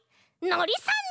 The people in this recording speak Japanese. のりさん？